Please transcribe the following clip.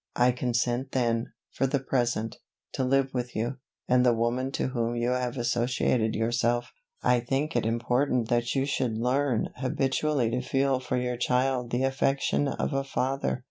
I consent then, for the present, to live with you, and the woman to whom you have associated yourself. I think it important that you should learn habitually to feel for your child the affection of a father.